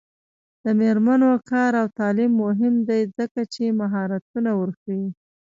د میرمنو کار او تعلیم مهم دی ځکه چې مهارتونه ورښيي.